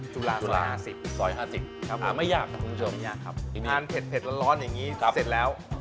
จุฬา๑๕๐ไม่ยากครับคุณผู้ชมทานเผ็ดร้อนอย่างนี้เสร็จแล้ว